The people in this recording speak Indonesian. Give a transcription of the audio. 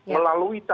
melalui cari sarayan